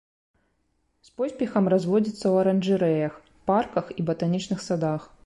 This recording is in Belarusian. З поспехам разводзіцца ў аранжарэях, парках і батанічных садах.